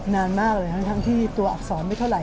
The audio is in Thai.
นานมากเลยทั้งที่ตัวอักษรไม่เท่าไห